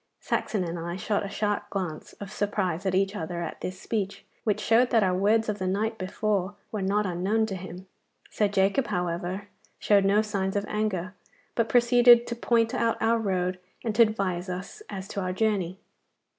Saxon and I shot a sharp glance of surprise at each other at this speech, which showed that our words of the night before were not unknown to him. Sir Jacob, however, showed no signs of anger, but proceeded to point out our road and to advise us as to our journey.